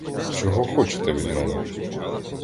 Чого хочете від мене?